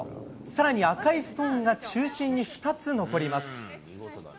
さらに赤いストーンが中心に２つ残ります。